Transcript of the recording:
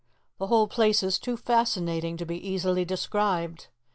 The whole place is too fascinating to be easily described.